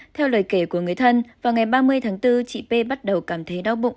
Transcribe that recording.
theo lời kể của người thân vào ngày ba mươi tháng bốn chị p bắt đầu cảm thấy đau bụng